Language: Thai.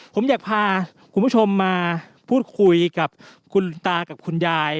ผมอยากพาคุณผู้ชมมาพูดคุยกับคุณตากับคุณยาย